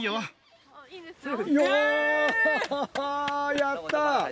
やった！